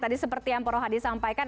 tadi seperti yang pak rohadi sampaikan